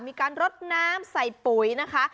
มีการรดน้ำใส่ปุ๋ยนะคะ